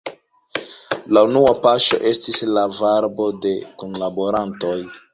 La unua paŝo estis la varbo de kunlaborantoj.